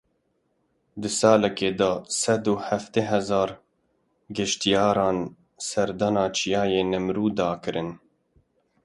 Di salekê de sed û heftê hezar geştyaran serdana Çiyayê Nemrûdê kirine.